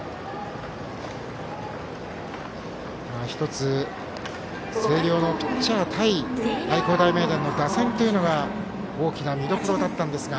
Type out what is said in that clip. １つ、星稜のピッチャー対愛工大名電の打線というのが大きな見どころだったんですが